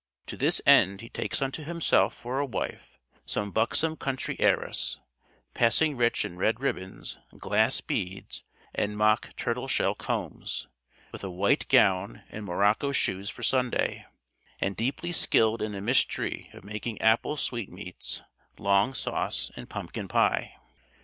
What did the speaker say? To this end he takes unto himself for a wife some buxom country heiress, passing rich in red ribbons, glass beads, and mock tortoiseshell combs, with a white gown and morocco shoes for Sunday, and deeply skilled in the mystery of making apple sweetmeats, long sauce, and pumpkin pie.